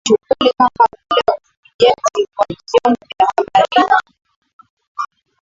Ni shughuli kama vile ujenzi wa vyombo vya baharini